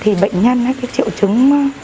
thì bệnh nhân cái triệu chứng